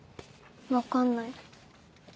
分かんない。